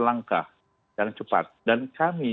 langkah yang cepat dan kami